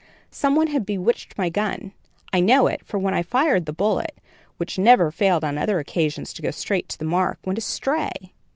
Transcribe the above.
Some one had bewitched my gun. I know it, for when I fired, the bullet, which never failed on other occasions to go straight to the mark, went astray.